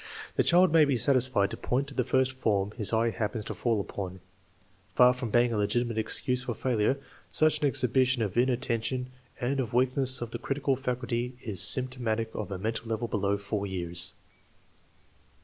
The child may be satisfied to point to the first form his eye happens to fall upon. Far from being a legitimate excuse for failure, such an exhibition of inattention and of weakness of the critical faculty is symptomatic of a mental level below 4 years.